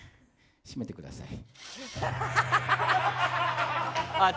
閉めてください。